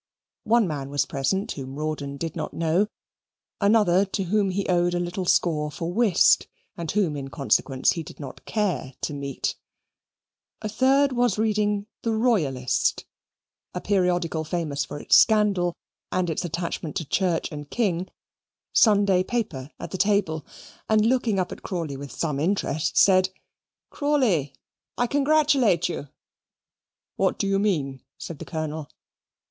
One man was present whom Rawdon did not know; another to whom he owed a little score for whist, and whom, in consequence, he did not care to meet; a third was reading the Royalist (a periodical famous for its scandal and its attachment to Church and King) Sunday paper at the table, and looking up at Crawley with some interest, said, "Crawley, I congratulate you." "What do you mean?" said the Colonel.